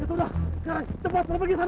itu dah sekarang tempat berbagi sana